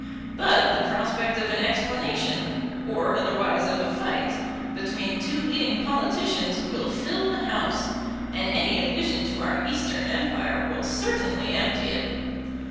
But the prospect of an explanation, or otherwise of a fight, between two leading politicians will fill the House; and any allusion to our Eastern Empire will certainly empty it.